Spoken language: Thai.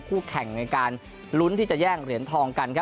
คู่แข่งในการลุ้นที่จะแยกเหรียญทอง